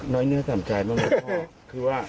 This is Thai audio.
น้อยเนื้อต่ำใจบ้างไหมพ่อคือว่า